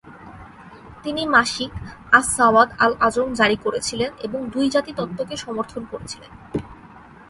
তিনি মাসিক 'আস-সাওয়াদ-আল-আজম' জারি করেছিলেন এবং দুই জাতি তত্ত্বকে সমর্থন করেছিলেন।